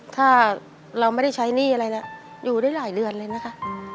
ถ้าเราไม่ได้ใช้หนี้อะไรแล้วอยู่ได้หลายเดือนเลยนะคะ